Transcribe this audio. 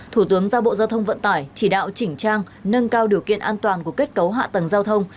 thủ tướng giao bộ giao thông vận tải chỉ đạo chỉnh trang nâng cao điều kiện an toàn của kết cấu hạ tầng giao thông